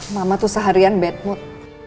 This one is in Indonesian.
mama tuh seharian bad mood